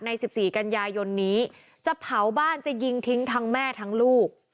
๑๔กันยายนนี้จะเผาบ้านจะยิงทิ้งทั้งแม่ทั้งลูก